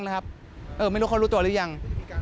อยู่ทั้งแต่ทฤษฎีอยู่ไม่รู้คนรู้ตัวหรือยัง